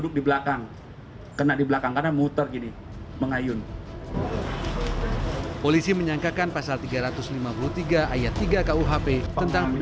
sultan hanufi won